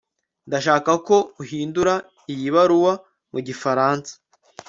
ndashaka ko uhindura iyi baruwa mu gifaransa